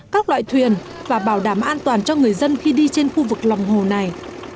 các loại thuyền và bảo đảm an toàn cho người dân khi đi trên khu vực lòng hồ này